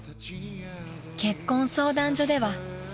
［結婚相談所では］